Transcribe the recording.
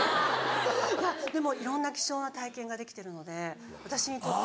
でもいろんな貴重な体験ができてるので私にとっては。